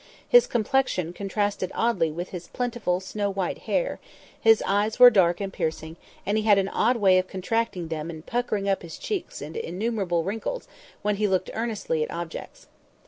His complexion contrasted oddly with his plentiful snow white hair, his eyes were dark and piercing, and he had an odd way of contracting them and puckering up his cheeks into innumerable wrinkles when he looked earnestly at objects.